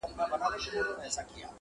د سهارنسیم راوړی له خوږې مېني پیغام دی -